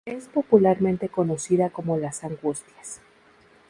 Es popularmente conocida como las Angustias.